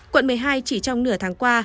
quận một mươi hai chỉ trong nửa tháng qua